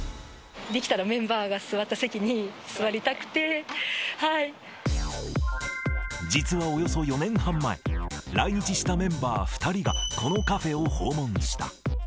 できたらメンバーが座った席実はおよそ４年半前、来日したメンバー２人がこのカフェを訪問した。